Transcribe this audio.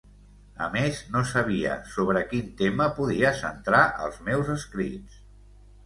A més, no sabia sobre quin tema podia centrar els meus escrits.